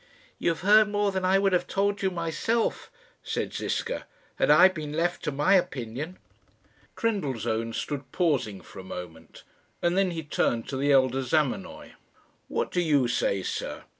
"You have heard more than I would have told you myself," said Ziska, "had I been left to my opinion." Trendellsohn stood pausing for a moment, and then he turned to the elder Zamenoy. "What do you say, sir?